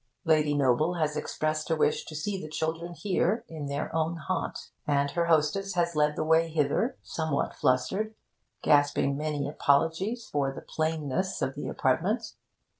Lady Noble has expressed a wish to see the children here, in their own haunt, and her hostess has led the way hither, somewhat flustered, gasping many apologies for the plainness of the apartment.